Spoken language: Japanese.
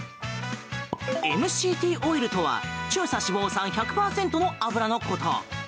ＭＣＴオイルとは中鎖脂肪酸１００％の油のこと。